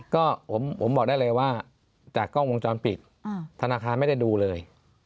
ก็ผมบอกได้เลยว่าจากกล้องวงจรปิดธนาคารไม่ได้ดูเลย